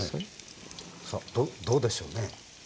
さあどうでしょうね。